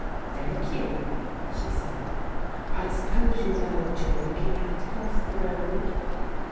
"Thank you," she said. "I suppose you know what you are looking at across the road?"